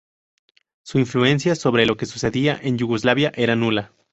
Su influencia sobre lo que sucedía en Yugoslavia era nula.